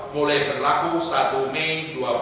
mulai berlaku satu mei dua ribu dua puluh